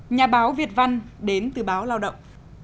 nhà báo việt văn đến từ báo lao động